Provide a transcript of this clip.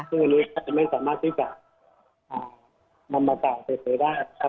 ซึ่งวันนี้ไม่สามารถที่จะนำมาต่างเต็มได้ครับ